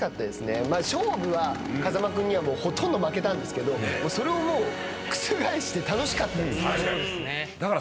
勝負は風間君にはほとんど負けたんですけどそれをもう覆して楽しかったです。